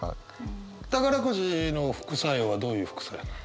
宝くじの副作用はどういう副作用なの？